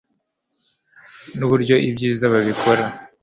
nuburyo ibyiza babikora